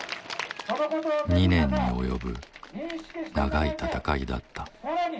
２年に及ぶ長い闘いだった